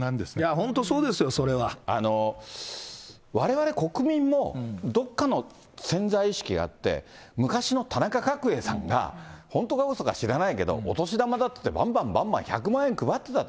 本当、そうですよ、われわれ国民も、どっかの潜在意識があって、昔の田中角栄さんが本当かうそか知らないけど、お年玉だって言って、ばんばんばんばん１００万円配ってたと。